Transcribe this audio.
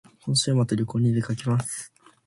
今週末旅行に出かけます